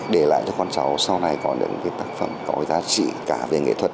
để lại cho con cháu sau này có những tác phẩm có giá trị cả về nghệ thuật